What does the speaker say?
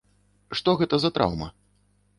Што гэта за траўма?